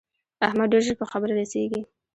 احمد ډېر ژر په خبره رسېږي.